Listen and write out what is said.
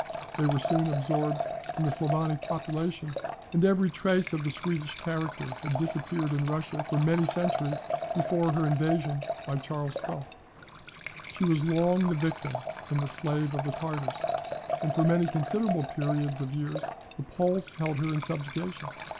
They were soon absorbed in the Sclavonic population, and every trace of the Swedish character had disappeared in Russia for many centuries before her invasion by Charles XII. She was long the victim and the slave of the Tartars; and for many considerable periods of years the Poles held her in subjugation.